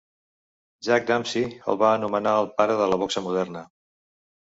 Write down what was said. Jack Dempsey el va anomenar el pare de la boxa moderna.